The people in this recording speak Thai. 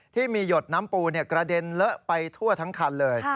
ที่มีหยดน้ำปูกระเด็นเลอะไปทั่วทั้งคันเลย